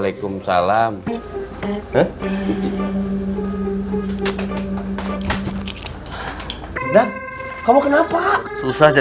itu makanya ensena